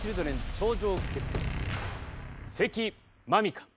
頂上決戦関真美か